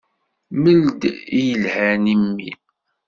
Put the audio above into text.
Mel-d i yelhan i mmi.